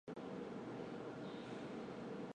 我要看一下那天要不要上班。